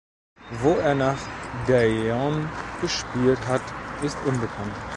Wo er nach Daejeon gespielt hat ist unbekannt.